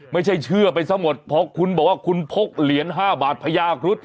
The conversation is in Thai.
ไม่ใช่เชื่อไปซะหมดเพราะคุณบอกว่าคุณพกเหรียญ๕บาทพญาครุฑ